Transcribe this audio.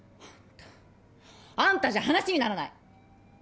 あんたじゃ話にならない！